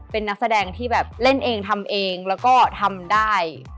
เป็นนักแสดงที่แบบเล่นเองทำเองแล้วก็ทำได้